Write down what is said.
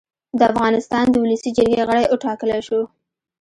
د افغانستان د اولسي جرګې غړی اوټاکلی شو